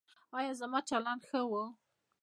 ایا زما چلند ښه و؟